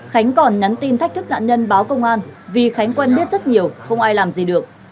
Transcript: khánh còn nhắn tin thách thức nạn nhân báo công an vì khánh quen biết rất nhiều không ai làm gì được